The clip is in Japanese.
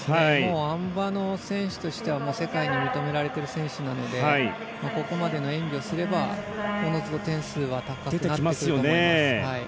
あん馬の選手としては世界に認められている選手なのでここまでの演技をすればおのずと点数は高くなってくると思います。